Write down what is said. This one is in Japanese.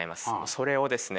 それをですね